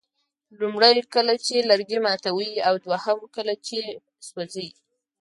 لومړی کله چې لرګي ماتوئ او دوهم کله چې سوځوئ.